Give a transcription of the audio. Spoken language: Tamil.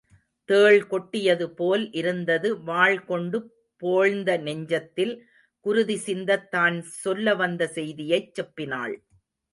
தேள் கொட்டியதுபோல் இருந்தது வாள் கொண்டு போழ்ந்த நெஞ்சத்தில் குருதி சிந்தத் தான் சொல்ல வந்த செய்தியைச் செப்பினாள்.